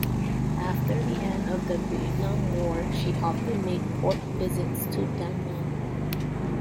After the end of the Vietnam War, she often made port visits to Danang.